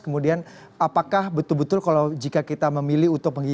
kemudian apakah betul betul kalau jika kita memilih untuk menerima hibah pesawat dari negara lain